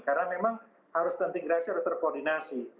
karena memang harus tentingrasi harus terkoordinasi